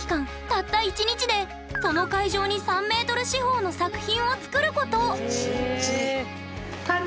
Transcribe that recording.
たった１日でこの会場に３ｍ四方の作品を作ること。